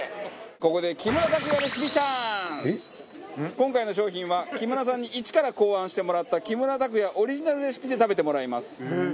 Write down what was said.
ここで今回の商品は木村さんに一から考案してもらった木村拓哉オリジナルレシピで食べてもらいます。